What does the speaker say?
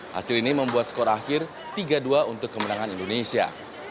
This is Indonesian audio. hasil ini membuat skor akhir tiga dua untuk kemenangan indonesia